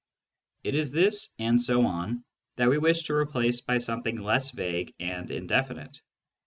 It is this " and so on " that we wish to replace by something less vague and indefinite.